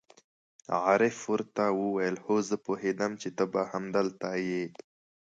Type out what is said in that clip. عارف ور ته وویل: هو، زه پوهېدم چې ته به همدلته یې.